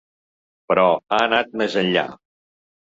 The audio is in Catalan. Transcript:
Però ha anat més enllà.